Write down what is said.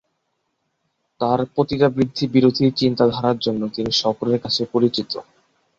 তার পতিতাবৃত্তি বিরোধী চিন্তাধারার জন্য তিনি সকলের কাছে পরিচিত।